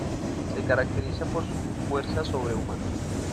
Se caracteriza por su fuerza sobrehumana.